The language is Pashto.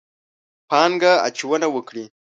پانګه اچونه وکړي.